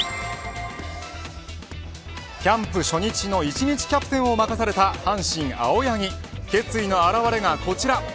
キャンプ初日の一日キャプテンを任された阪神青柳、決意の表れがこちら。